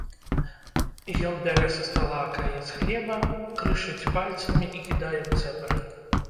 Ён бярэ са стала акраец хлеба, крышыць пальцамі і кідае ў цэбар.